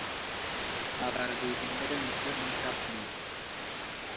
দাদার দুই দিন ধরে মুখে কোনো স্বাদ নেই।